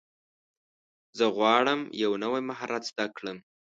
زه غواړم یو نوی مهارت زده کړم.